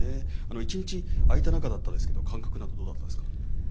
１日、空いた中だったんですけど感覚など、どうだったんですか？